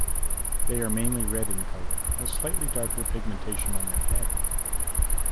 They are mainly red in colour, with slightly darker pigmentation on the head.